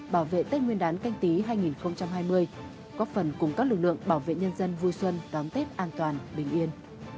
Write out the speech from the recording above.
bảo vệ tết nguyên đán canh tí hai nghìn hai mươi góp phần cùng các lực lượng bảo vệ nhân dân vui xuân đón tết an toàn bình yên